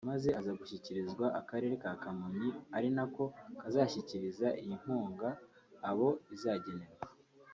maze aza gushyikirizwa akarere ka Kamonyi ari nako kazashyikiriza iyi nkunga abo izagenerwa